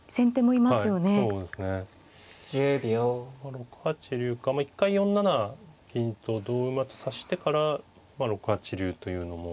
６八竜か一回４七銀と同馬とさしてから６八竜というのも。